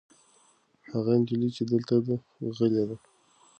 هغه نجلۍ چې دلته ده غلې ده.